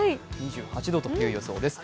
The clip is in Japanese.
２８度という予想です。